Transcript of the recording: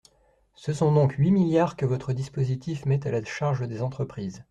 Ce sont donc huit milliards que votre dispositif met à la charge des entreprises.